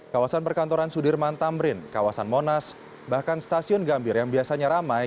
kawasan perkantoran sudirman tamrin kawasan monas bahkan stasiun gambir yang biasanya ramai